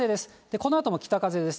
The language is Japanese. このあとも北風です。